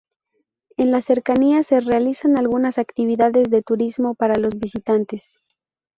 En las cercanías se realizan algunas actividades de turismo para los visitantes.